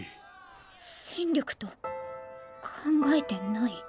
戦力と考えてない？